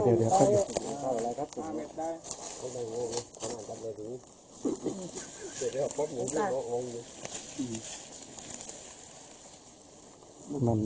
เหลืองเท้าอย่างนั้น